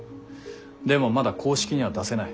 でもまだ公式には出せない。